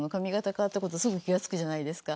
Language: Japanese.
変わったことすぐ気が付くじゃないですか。